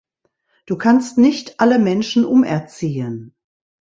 Du kannst nicht alle Menschen umerziehen.